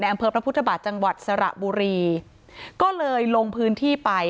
อำเภอพระพุทธบาทจังหวัดสระบุรีก็เลยลงพื้นที่ไป